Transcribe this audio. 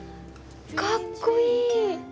かっこいい。